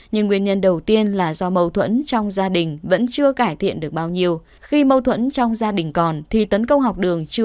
nhưng nguyên nhân đầu tiên là do mâu thuẫn trong gia đình vẫn chưa cải thiện được bao nhiêu khi mâu thuẫn trong gia đình còn thì tấn công học đường chưa